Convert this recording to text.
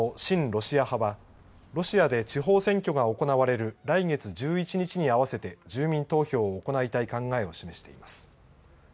ロシア派はロシアで地方選挙が行われる来月１１日に合わせて住民投票を行いたい考えを示しています。